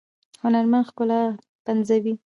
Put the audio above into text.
هنرمند ښکلا پنځوي